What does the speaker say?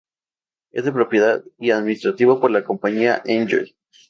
Es de propiedad y administrado por la compañía Enjoy.